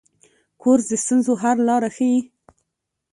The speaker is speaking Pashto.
کورس د ستونزو حل لاره ښيي.